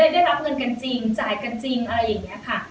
ได้รับเงินกันจริงจ่ายกันจริงอะไรอย่างนี้ค่ะ